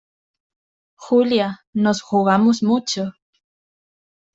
Julia, nos jugamos mucho.